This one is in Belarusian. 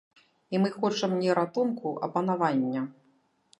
І мы хочам не ратунку, а панавання.